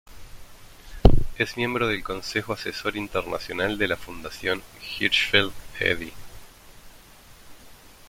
Es miembro del consejo asesor internacional de la Fundación Hirschfeld Eddy.